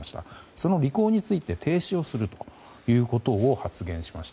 その履行について停止をすると発言しました。